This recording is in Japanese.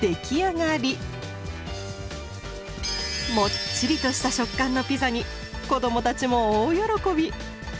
もっちりとした食感のピザに子どもたちも大喜び。